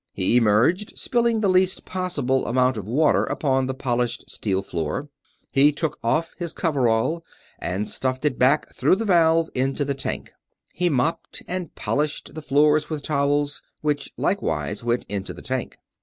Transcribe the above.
He emerged, spilling the least possible amount of water upon the polished steel floor. He took off his coverall and stuffed it back through the valve into the tank. He mopped and polished the floor with towels, which likewise went into the tank.